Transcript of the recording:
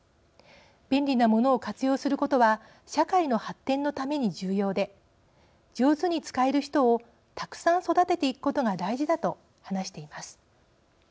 便利なものを活用することは社会の発展のために重要で上手に使える人をたくさん育てていくことが大事だと話しています。